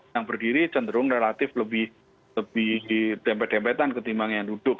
yang berdiri cenderung relatif lebih dempet dempetan ketimbang yang duduk